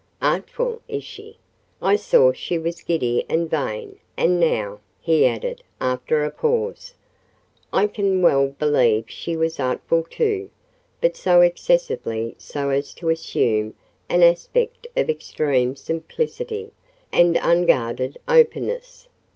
"Artful is she?—I saw she was giddy and vain—and now," he added, after a pause, "I can well believe she was artful too; but so excessively so as to assume an aspect of extreme simplicity and unguarded openness.